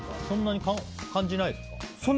そんなに感じないですか？